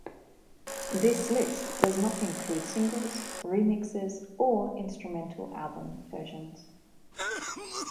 This list does not include singles, remixes or instrumental album versions.